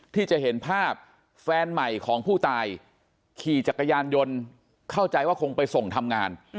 ที่จะเห็นภาพแฟนใหม่ของผู้ตายขี่จักรยานยนต์เข้าใจว่าคงไปส่งทำงาน